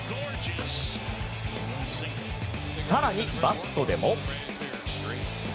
更に、バットでも。